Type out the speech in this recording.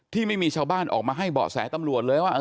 ที่มีชาวบ้านออกมาให้เบาะแสตำรวจเลยว่า